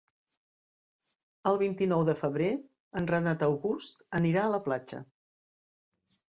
El vint-i-nou de febrer en Renat August anirà a la platja.